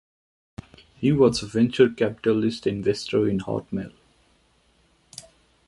He was a venture capitalist investor in Hotmail.